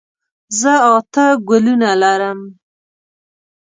زه اته ګلونه لرم.